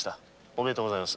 おめでとう。